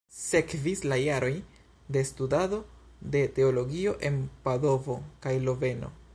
Sekvis la jaroj de studado de teologio en Padovo kaj Loveno.